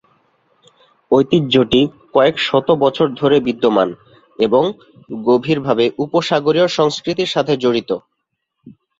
ঐতিহ্যটি কয়েক শত বছর ধরে বিদ্যমান এবং গভীরভাবে উপসাগরীয় সংস্কৃতির সাথে জড়িত।